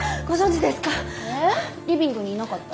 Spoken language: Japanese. えっリビングにいなかった？